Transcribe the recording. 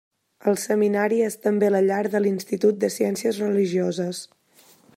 El seminari és també la llar de l'Institut de Ciències Religioses.